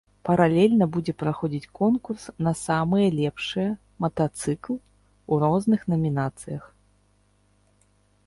Паралельна будзе праходзіць конкурс на самыя лепшыя матацыкл у розных намінацыях.